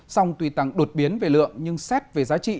song tuy tăng đột biến về lượng nhưng xét về giá trị